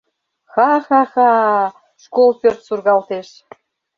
— Ха-ха-ха! — школ пӧрт сургалтеш.